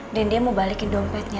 dan dia mau balikin dompetnya